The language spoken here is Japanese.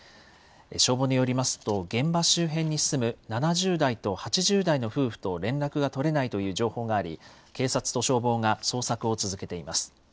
消防によりますと、現場周辺に住む７０代と８０代の夫婦と連絡が取れないという情報があり、警察と消防が捜索を続けています。